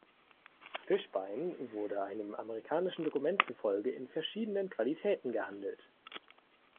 Fischbein wurde einem amerikanischen Dokument zufolge in verschiedenen Qualitäten gehandelt.